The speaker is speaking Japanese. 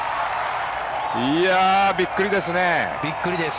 びっくりですね！